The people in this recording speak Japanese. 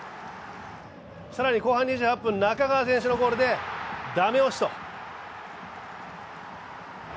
更に後半２８分、仲川選手のゴールで駄目押しと。